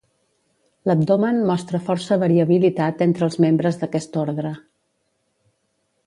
L'abdomen mostra força variabilitat entre els membres d'aquest ordre.